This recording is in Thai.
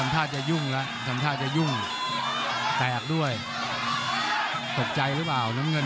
แตกหรือเปล่าน้ำเงิน